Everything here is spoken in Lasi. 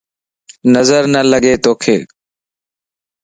نظر نه لڳ توک